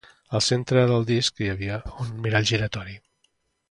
Al centre del disc hi havia un mirall giratori.